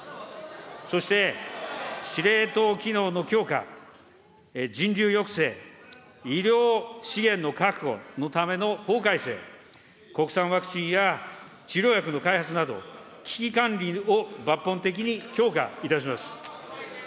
そして、司令塔機能の強化、人流抑制、医療資源の確保のための法改正、国産ワクチンや治療薬の開発など、危機管理を抜本的に強化いたします。